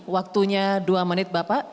waktunya dua menit bapak